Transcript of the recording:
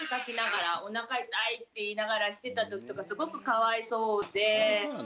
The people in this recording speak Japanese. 「おなか痛い」って言いながらしてた時とかすごくかわいそうで。